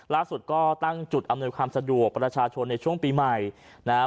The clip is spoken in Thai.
ล่าสุดก็ตั้งจุดอำนวยความสะดวกประชาชนในช่วงปีใหม่นะฮะ